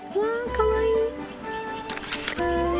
かわいい。